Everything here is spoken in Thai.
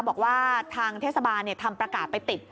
บอกว่าทางเทศบาลทำประกาศไปติด